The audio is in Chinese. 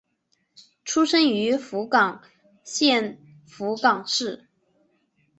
出身于福冈县福冈市。